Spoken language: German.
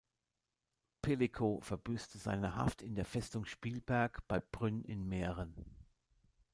Pellico verbüßte seine Haft in der Festung Spielberg bei Brünn in Mähren.